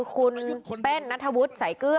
คุณเต้นนธวุฒิสายเกลื้อ